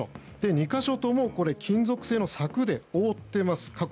２か所とも金属製の柵で囲っています。